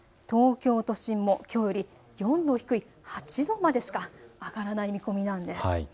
東京都心もきょうより４度低い８度までしか上がらない見込みなんです。